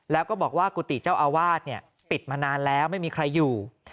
แล้วก็บอกว่ากุฏิเจ้าอาวาสปิดมานานแล้วไม่มีใครอยู่